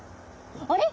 あれ？